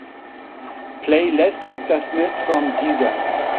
Play Les Lecter Smith from deezer.